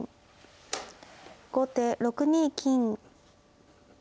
後手６二金。